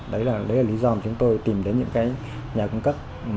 đấy là lý do mà chúng tôi tìm đến những cái nhà cung cấp